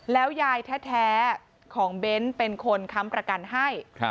แล้วยายแท้ของเบ้นเป็นคนค้ำประกันให้